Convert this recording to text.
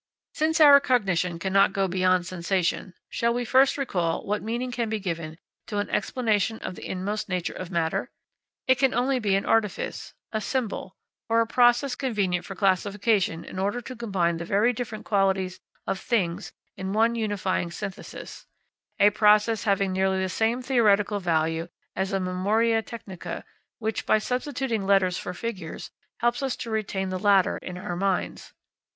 Since our cognition cannot go beyond sensation, shall we first recall what meaning can be given to an explanation of the inmost nature of matter? It can only be an artifice, a symbol, or a process convenient for classification in order to combine the very different qualities of things in one unifying synthesis a process having nearly the same theoretical value as a memoria technica, which, by substituting letters for figures, helps us to retain the latter in our minds.